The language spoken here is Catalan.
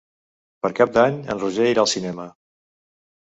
Per Cap d'Any en Roger irà al cinema.